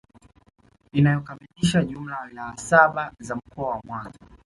inayokamilisha jumla ya wilaya saba za Mkoa wa Mwanza